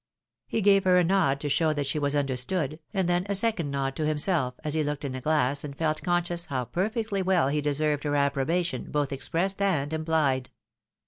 He gave her a nod to show that she was understood, and then a second nod to himself, as he looked in the glass and felt conscious how perfectly well he deserved her approbation both expressed and imphed.